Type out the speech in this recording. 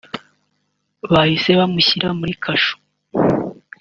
bahise bamushyira muri kasho